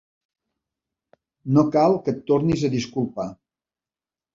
No cal que et tornis a disculpar.